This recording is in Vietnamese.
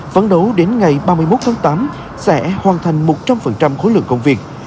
vẫn đấu đến ngày ba mươi một tháng tám sẽ hoàn thành một trăm linh phần trăm khối lượng công việc